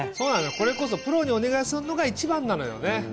これこそプロにお願いするのが一番なのよね。